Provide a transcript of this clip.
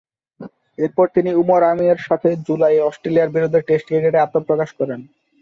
এরপর তিনি উমর আমিনের সাথে জুলাইয়ে অস্ট্রেলিয়ার বিরুদ্ধে টেস্ট ক্রিকেটে আত্মপ্রকাশ করেন।